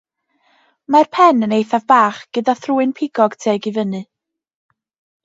Mae'r pen yn eithaf bach, gyda thrwyn pigog tuag i fyny.